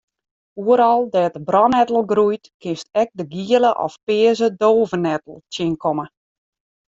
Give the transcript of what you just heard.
Oeral dêr't de brannettel groeit kinst ek de giele of pearse dôvenettel tsjinkomme.